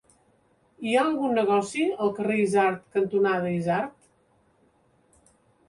Hi ha algun negoci al carrer Isard cantonada Isard?